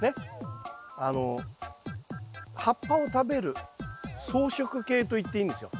あの葉っぱを食べる草食系といっていいんですよ。